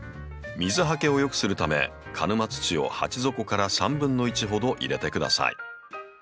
水はけをよくするため鹿沼土を鉢底から３分の１ほど入れて下さい。